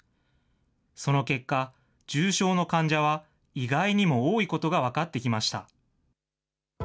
その結果、重症の患者は意外にも多いことが分かってきました。